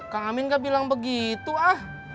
kang amin gak bilang begitu ah